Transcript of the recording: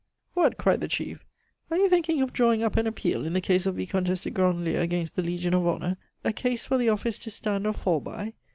"What!" cried the chief, "are you thinking of drawing up an appeal in the case of Vicomtesse de Grandlieu against the Legion of Honor a case for the office to stand or fall by?